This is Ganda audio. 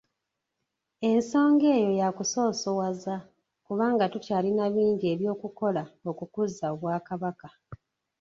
Ensonga eyo yakusoosowaza kubanga tukyalina bingi ebyokukola okukuza Obwakabaka.